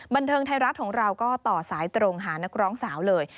บันเทิงไทยรัฐของเราก็ต่อสายตรงหานักร้องสาวเลย